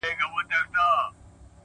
دا بېچاره به ښـايــي مــړ وي!